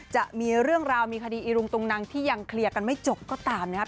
จะมีเรื่องราวมีคดีอีรุงตุงนังที่ยังเคลียร์กันไม่จบก็ตามนะครับ